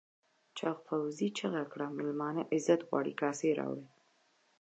چاغ پوځي چیغه کړه مېلمانه عزت غواړي کاسې راوړئ.